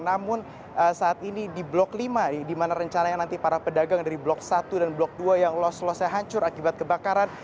namun saat ini di blok lima di mana rencananya nanti para pedagang dari blok satu dan blok dua yang lolos losnya hancur akibat kebakaran